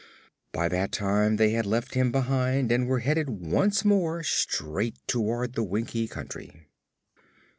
By that time they had left him behind and were headed once more straight toward the Winkie Country.